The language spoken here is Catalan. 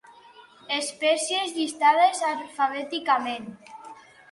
Espècies llistades alfabèticament.